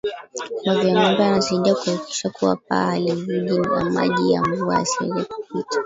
Mavi ya ngombe yanasaidia kuhakikisha kuwa paa halivuji na maji ya mvua yasiweze kupita